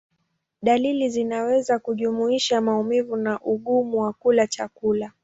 Dalili zinaweza kujumuisha maumivu na ugumu wa kula chakula.